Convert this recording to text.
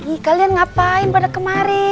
ih kalian ngapain pada kemarin